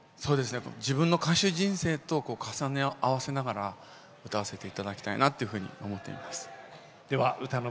自分の歌手人生と重ね合わせながら歌わせていただきたいなと思っております。